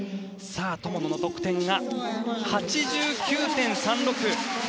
友野の得点８９．３６。